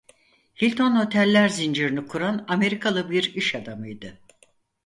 Hilton Hoteller zincirini kuran Amerikalı bir iş adamıydı.